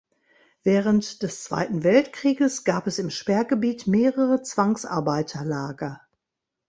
Während des Zweiten Weltkrieges gab es im Sperrgebiet mehrere Zwangsarbeiterlager.